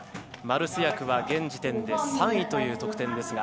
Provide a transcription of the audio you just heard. マルスヤクは現時点で３位という得点。